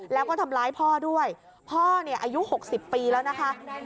แล้วก็ทำร้ายพ่อด้วยพ่อเนี่ยอายุ๖๐ปีแล้วนะคะ